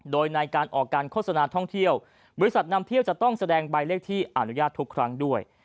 โดยในการออกการโฆษณาท่องเที่ยวบริษัทนำเที่ยวจะต้องแสดงใบเลขที่อนุญาตทุกครั้งด้วย